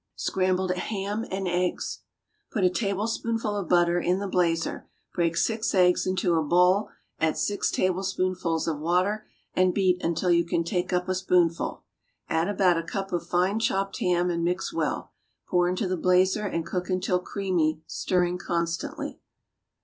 =Scrambled Ham and Eggs.= Put a tablespoonful of butter in the blazer. Break six eggs into a bowl, add six tablespoonfuls of water, and beat until you can take up a spoonful. Add about a cup of fine chopped ham and mix well. Pour into the blazer, and cook until creamy, stirring constantly.